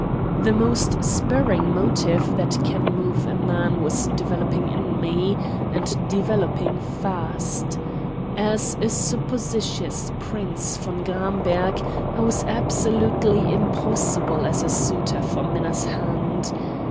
The most spurring motive that can move a man was developing in me, and developing fast. As a supposititious Prince von Gramberg I was absolutely impossible as a suitor for Minna's hand.